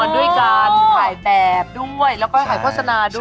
ด้วยการถ่ายแบบด้วยแล้วก็ถ่ายโฆษณาด้วย